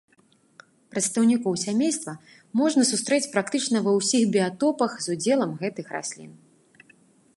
Прадстаўнікоў сямейства можна сустрэць практычна ва ўсіх біятопах з удзелам гэтых раслін.